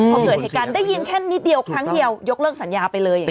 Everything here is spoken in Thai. พอเกิดเหตุการณ์ได้ยินแค่นิดเดียวครั้งเดียวยกเลิกสัญญาไปเลยอย่างนี้